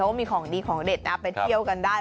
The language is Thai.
ก็มีของดีของเด็ดนะไปเที่ยวกันได้